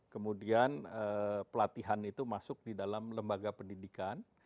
kemudian pelatihan itu masuk di dalam lembaga pendidikan